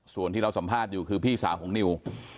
ส่วนที่เราสัมภาษณ์อยู่คือพี่สาวของนิว